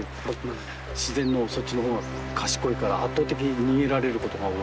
自然のそっちのほうが賢いから圧倒的に逃げられることが多い。